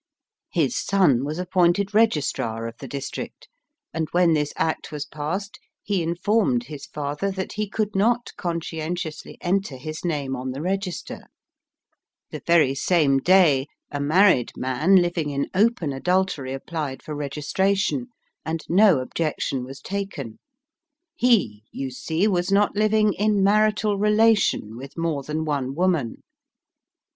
His son was appointed registrar of the district, and when this Act was passed he informed his father that he could not con scientiously enter his name on the register. Digitized by VjOOQIC mmm THE MORMON PRESIDENT AT HOME. 115 The very same day a married man living in open adultery applied for registration, and no objection was taken. He, you see, was not living *in marital relation' with more than one woman.